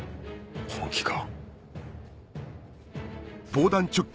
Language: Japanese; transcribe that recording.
本気か？